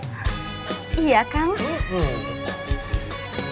ya kalau istri saya tuh kesayangan majikanya tin